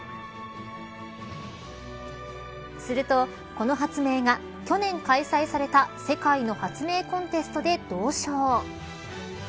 すると、この発明が去年開催された世界の発明コンテストで銅賞。